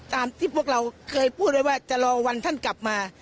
ตามที่พวกเราเคยพูดไว้ว่าจะรอวันท่านกลับมา